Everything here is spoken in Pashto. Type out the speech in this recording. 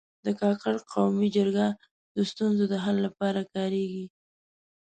د کاکړ قومي جرګه د ستونزو د حل لپاره کارېږي.